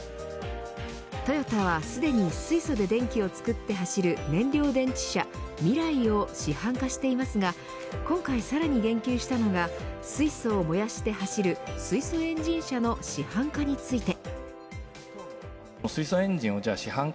トヨタはすでに水素で電気を作って走る燃料電池車ＭＩＲＡＩを市販化してますが今回さらに言及したのが水素を燃やして走る水素エンジン車の市販化について。